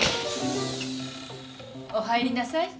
・お入りなさい。